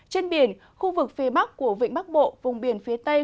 trên biển khu vực phía bắc của vịnh bắc bộ vùng biển phía tây